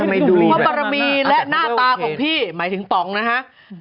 พระบารมีและหน้าตาของพี่หมายถึงป๋องนะฮะ